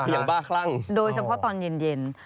อย่างบ้าคลั่งโดยเฉพาะตอนเย็น